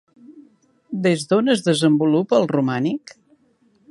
Des d'on es desenvolupa el romànic?